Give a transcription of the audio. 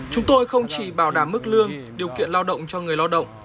chúng tôi không chỉ bảo đảm mức lương điều kiện lao động cho người lao động